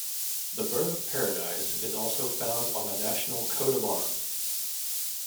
The bird-of-paradise is also found on the national coat-of-arms.